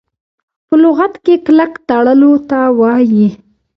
په لغت کي کلک تړلو ته وايي .